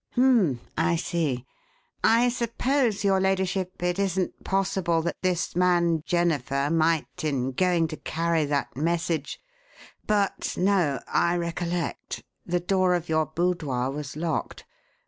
"H'm! I see. I suppose, your ladyship, it isn't possible that this man Jennifer might, in going to carry that message But no! I recollect: the door of your boudoir was locked.